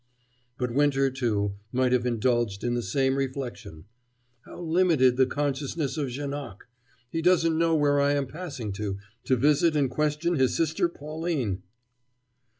But Winter, too, might have indulged in the same reflection: "How limited the consciousness of Janoc! He doesn't know where I am passing to to visit and question his sister Pauline!"